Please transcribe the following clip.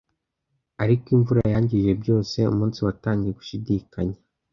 Ariko imvura yangije byose. Umunsi watangiye gushidikanya,